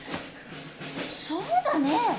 そうだね！